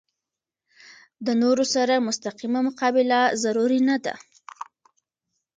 د نورو سره مستقیمه مقابله ضروري نه ده.